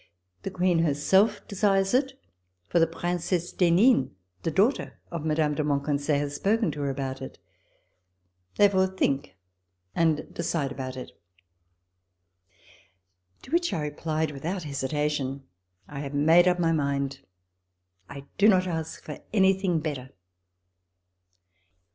The Queen herself desires it, for the Princesse d'Henin, the daughter of Mme. de Monconseil, has spoken to her about it. Therefore think and decide about it." To which I replied without hesitation, " I have made up my mind. I do not ask for anything better."